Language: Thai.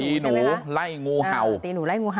ขอบคุณเลยนะฮะคุณแพทองธานิปรบมือขอบคุณเลยนะฮะ